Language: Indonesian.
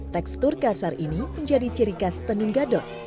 tekstur kasar ini menjadi ciri khas tenun gadot